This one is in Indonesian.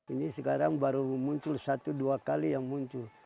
ini sekarang baru muncul satu dua kali yang muncul